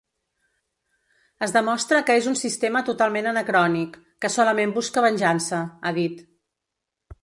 Es demostra que és un sistema totalment anacrònic, que solament busca venjança, ha dit.